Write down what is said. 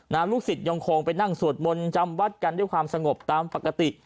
ลูกศิษย์ยังคงไปนั่งสวดมนต์จำวัดกันด้วยความสงบตามปกติ